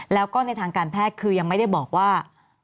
แล้วก็ในทางการแพทย์คือยังไม่ได้บอกว่า